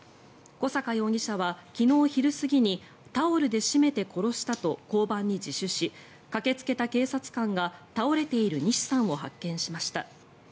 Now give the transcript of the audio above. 小坂容疑者は昨日昼過ぎにタオルで絞めて殺したと交番に自首し駆けつけた警察官が倒れている西さんを発見しました。